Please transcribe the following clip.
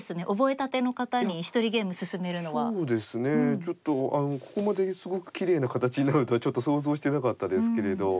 ちょっとここまですごくきれいな形になるとはちょっと想像してなかったですけれど。